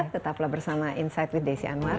tetaplah bersama insight with desi anwar